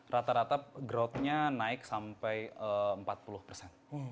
rata rata growthnya naik sampai empat puluh persen